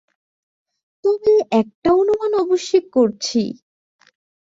তবে একটা অনুমান অবশ্যি করছি।